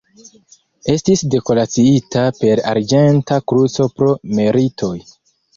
Estis dekoraciita per Arĝenta kruco pro meritoj.